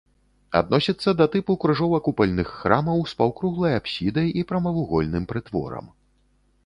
Адносіцца да тыпу крыжова-купальных храмаў з паўкруглай апсідай і прамавугольным прытворам.